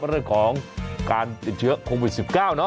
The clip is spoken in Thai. เรื่องของการติดเชื้อโควิดสิบเก้าเนอะ